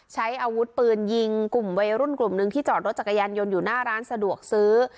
ใช้อาวุธปืนยิงกลุ่มวัยรุ่นกลุ่มหนึ่งที่จอดรถจักรยานยนต์อยู่หน้าร้านสะดวกซื้อ